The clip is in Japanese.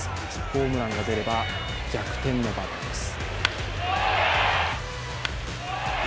ホームランが出れば逆転の場面です。